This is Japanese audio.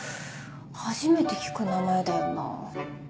初めて聞く名前だよな。